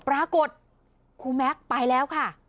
ปรากฏครูแม็กไปแล้วค่ะ